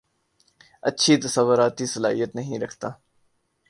اچھی تصوارتی صلاحیت نہیں رکھتا